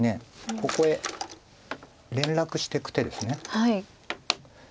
ここへ連絡してく手です。